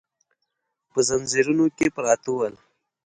په ځنځیرونو کې پراته ول.